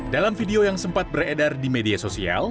dalam video yang sempat beredar di media sosial